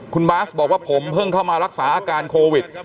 คุณบาสบอกว่าผมเพิ่งเข้ามารักษาอาการโควิด